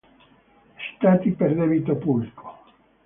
Stati per debito pubblico